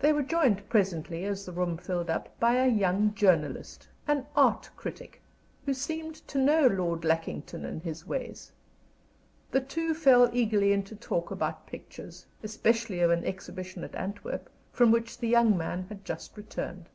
They were joined presently, as the room filled up, by a young journalist an art critic, who seemed to know Lord Lackington and his ways. The two fell eagerly into talk about pictures, especially of an exhibition at Antwerp, from which the young man had just returned.